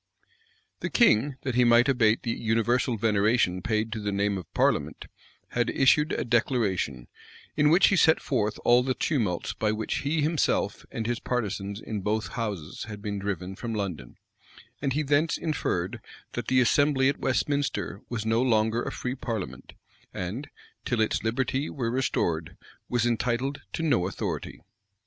The king, that he might abate the universal veneration paid to the name of parliament, had issued a declaration, in which he set forth all the tumults by which himself and his partisans in both houses had been driven from London; and he thence inferred, that the assembly at Westminster was no longer a free parliament, and, till its liberty were restored, was entitled to no authority.